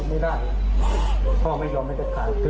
จะรู้ใครใครจะรัก